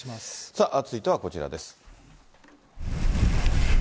続いてはこちらです。